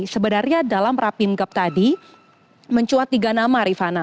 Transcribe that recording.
sebenarnya dalam rapin gab tadi mencuat tiga nama rifana